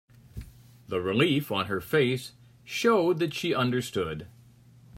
The relief on her face showed that she understood.